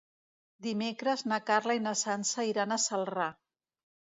Dimecres na Carla i na Sança iran a Celrà.